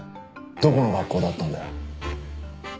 どこの学校だったんだよ？